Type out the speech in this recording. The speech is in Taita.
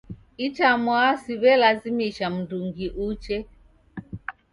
Itamwaa siw'elazimisha mndungi uche.